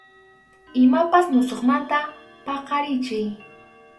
Imapas musuqmanta paqarichiy.